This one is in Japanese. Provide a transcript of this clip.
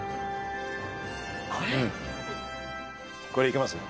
これでいけます？